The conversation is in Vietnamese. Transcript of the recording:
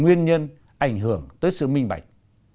nguyên nhân ảnh hưởng tới sự minh bạch